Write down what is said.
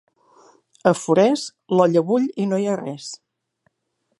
A Forès, l'olla bull i no hi ha res.